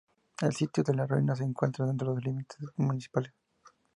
El sitio de las ruinas se encuentra dentro de los límites municipales.